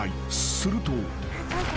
すると］